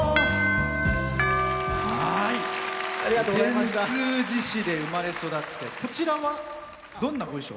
善通寺市で生まれ育ってこちらは、どんなお衣装？